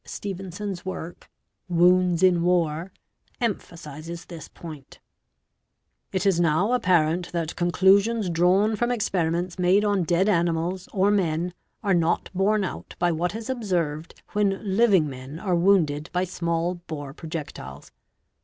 Stevenson's work, "Wounds m War', emphasises this point: 'It is now apparent that conclusions drawn from experiments made on dead animals or men are not borne out by what is observed when living men are wounded by small bore pro jectiles.